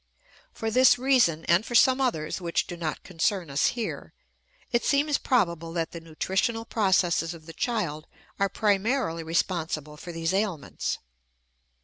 For this reason, and for some others which do not concern us here, it seems probable that the nutritional processes of the child are primarily responsible for these ailments.